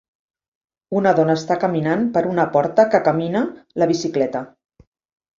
Una dona està caminant per una porta que camina la bicicleta